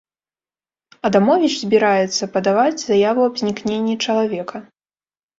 Адамовіч збіраецца падаваць заяву аб знікненні чалавека.